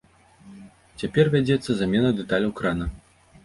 Цяпер вядзецца замена дэталяў крана.